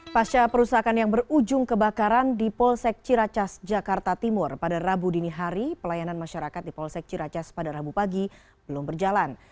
pasca perusahaan yang berujung kebakaran di polsek ciracas jakarta timur pada rabu dini hari pelayanan masyarakat di polsek ciracas pada rabu pagi belum berjalan